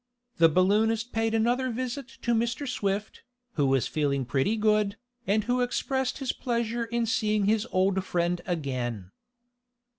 The balloonist paid another visit to Mr. Swift, who was feeling pretty good, and who expressed his pleasure in seeing his old friend again.